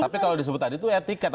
tapi kalau disebut tadi itu etika